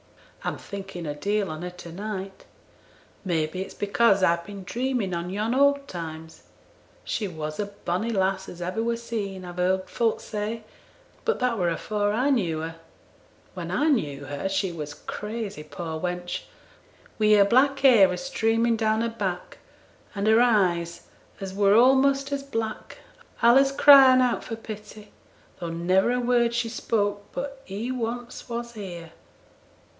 I'm thinking a deal on her to night; may be it's because I've been dreaming on yon old times. She was a bonny lass as ever were seen, I've heerd folk say; but that were afore I knew her. When I knew her she were crazy, poor wench; wi' her black hair a streaming down her back, and her eyes, as were a'most as black, allays crying out for pity, though never a word she spoke but "He once was here."